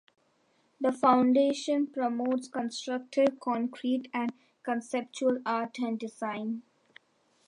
The foundation promotes "constructive, concrete, and conceptual art and design".